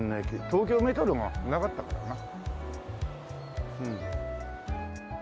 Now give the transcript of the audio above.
東京メトロがなかったからな。